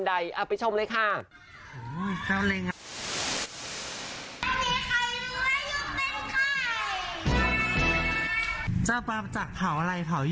ไม่มีใครรู้ว่ายุเป็นใคร